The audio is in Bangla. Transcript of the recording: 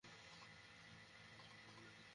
চেষ্টা ছিল সুন্দর একটি সাবটাইটেল উপহার দেয়ার।